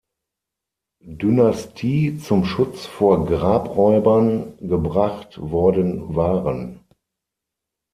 Dynastie zum Schutz vor Grabräubern gebracht worden waren.